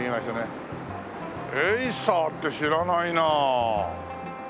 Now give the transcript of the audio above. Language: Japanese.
エイサーって知らないなあ。